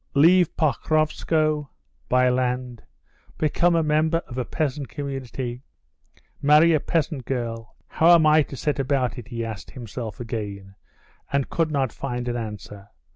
Leave Pokrovskoe? Buy land? Become a member of a peasant community? Marry a peasant girl? How am I to set about it?" he asked himself again, and could not find an answer.